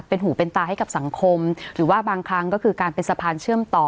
เป็นหูเป็นตาให้กับสังคมหรือว่าบางครั้งก็คือการเป็นสะพานเชื่อมต่อ